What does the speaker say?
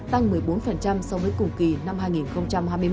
tăng một mươi bốn sau mấy cùng kỳ năm hai nghìn hai mươi một